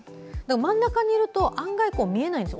真ん中にいると案外、見えないんです。